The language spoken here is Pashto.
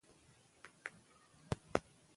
لیکوال د بصیرت خاوند دی.